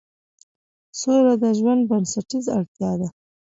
سوله د ژوند بنسټیزه اړتیا ده